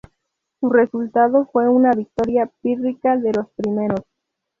Su resultado fue una victoria pírrica de los primeros.